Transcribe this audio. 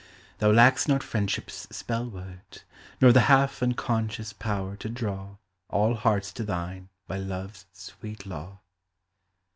Thou lack'st not Friendship's spellword, nor The half unconscious power to draw All hearts to thine by Love's sweet law.